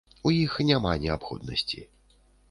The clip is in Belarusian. У іх няма неабходнасці.